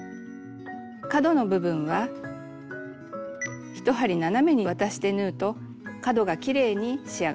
角の部分は１針斜めに渡して縫うと角がきれいに仕上がります。